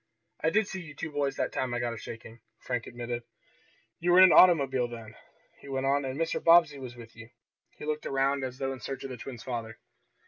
I did see you two boys that time I got a shaking," Frank admitted. "You were in an automobile then," he went on, "and Mr. Bobbsey was with you." He looked around as though in search of the twins' father.